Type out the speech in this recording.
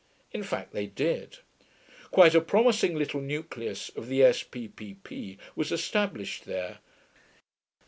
In fact, they did. Quite a promising little nucleus of the S.P.P.P. was established there.